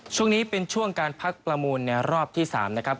ช่วงนี้เป็นช่วงการพักประมูลในรอบที่๓นะครับ